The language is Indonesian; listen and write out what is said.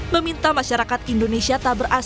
meminta masyarakat indonesia taber abangunan